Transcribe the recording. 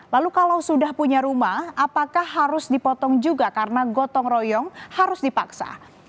lalu kalau sudah punya rumah apakah harus dipotong juga karena gotong royong harus dipaksa